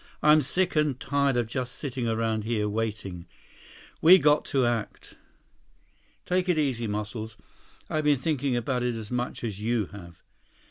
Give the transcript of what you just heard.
"I'm sick and tired of just sitting around here, waiting. We got to act." "Take it easy, Muscles. I've been thinking about it as much as you have."